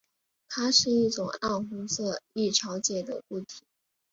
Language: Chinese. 它是一种暗红色易潮解的固体。